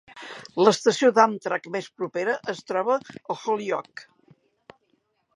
L'estació d'Amtrak més propera es troba a Holyoke.